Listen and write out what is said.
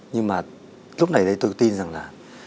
nhưng mà lúc này tôi tin rằng là